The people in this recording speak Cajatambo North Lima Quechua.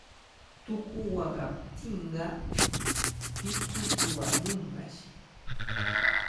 Tuku waqaptinqa pipish wañunqashi.